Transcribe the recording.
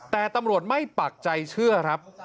แต่ตำรวจไม่ปักใจเชื่อครับ